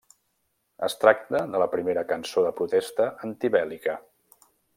Es tracta de la primera cançó de protesta antibèl·lica.